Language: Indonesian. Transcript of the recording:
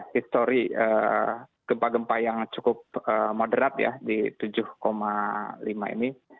histori gempa gempa yang cukup moderat ya di tujuh lima ini